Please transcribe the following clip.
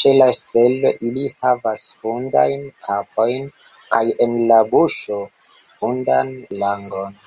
Ĉe la selo ili havas hundajn kapojn kaj en la buŝo hundan langon!